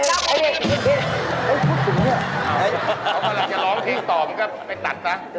เขากำลังจะร้องเพลงต่อมันก็ไปตัดซะ